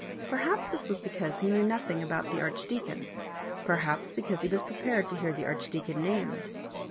Perhaps this was because he knew nothing about the Archdeacon, perhaps because he was pre pared to hear the Archdeacon named.